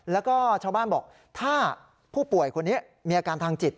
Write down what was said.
แล้วก็ชาวบ้านบอกถ้าผู้ป่วยคนนี้มีอาการทางจิต